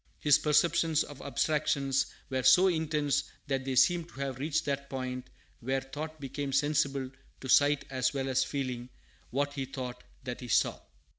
His perceptions of abstractions were so intense that they seem to have reached that point where thought became sensible to sight as well as feeling. What he thought, that he saw.